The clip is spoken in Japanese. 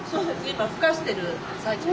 今ふかしてる最中です。